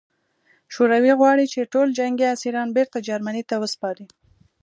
شوروي غواړي چې ټول جنګي اسیران بېرته جرمني ته وسپاري